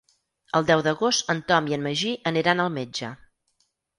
El deu d'agost en Tom i en Magí aniran al metge.